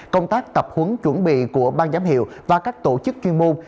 công tác tập huấn chuẩn bị của ban giám hiệu và các tổ chức chuyên môn